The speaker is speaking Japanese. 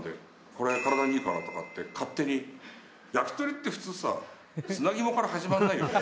「“これ体にいいから”とかって勝手に」「焼き鳥って普通さ砂肝から始まらないよね」